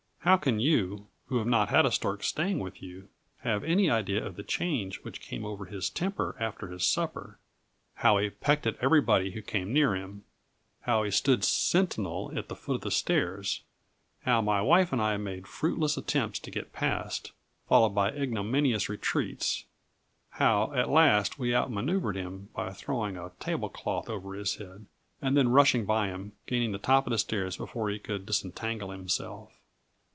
How can you, who have not had a stork staying with you, have any idea of the change which came over his temper after his supper how he pecked at everybody who came near him; how he stood sentinel at the foot of the stairs; how my wife and I made fruitless attempts to get past, followed by ignominious retreats how; at last we outmanoeuvred him by throwing a table cloth over his head, and then rushing by him, gaining the top of the stairs before he could disentangle himself.